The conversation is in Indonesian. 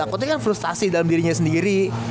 takutnya kan frustasi dalam dirinya sendiri